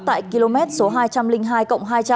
tại km số hai trăm linh hai cộng hai trăm linh